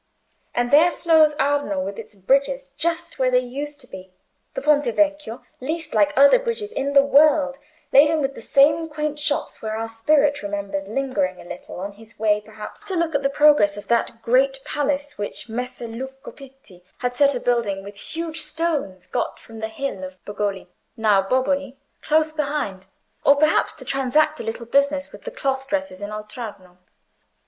And there flows Arno, with its bridges just where they used to be—the Ponte Vecchio, least like other bridges in the world, laden with the same quaint shops where our Spirit remembers lingering a little on his way perhaps to look at the progress of that great palace which Messer Luca Pitti had set a building with huge stones got from the Hill of Bogoli (now Boboli) close behind, or perhaps to transact a little business with the cloth dressers in Oltrarno.